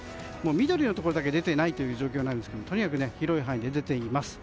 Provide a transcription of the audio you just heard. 緑のところだけ出ていないという状況なんですけどもとにかく広い範囲で出ています。